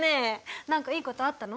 何かいいことあったの？